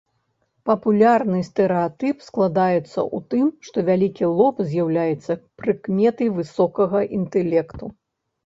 Папулярны стэрэатып складаецца ў тым, што вялікі лоб з'яўляецца прыкметай высокага інтэлекту.